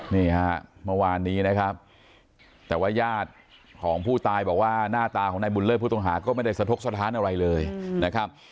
นี่ฮะเมื่อวานนี้นะครับแต่ว่าญาติของผู้ตายบอกว่าหน้าตาของนายบุญเลิศผู้ต้องหาก็ไม่ได้สะทกสถานอะไรเลยนะครับ